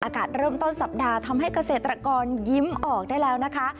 อากาศเริ่มต้นสัปดาห์ทำให้เกษตรกรยิ้มออกได้แล้วนะคะ